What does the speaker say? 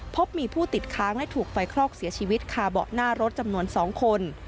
พบมีผู้ติดค้างและถูกไฟคลอกเสียชีวิตคาเบาะหน้ารถจำนวน๒คน